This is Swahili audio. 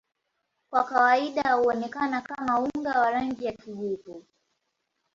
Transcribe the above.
Kwa kawaida huonekana kama unga wa rangi ya kijivu.